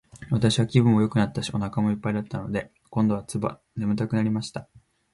私は気分もよくなったし、お腹も一ぱいだったので、今度は睡くなりました。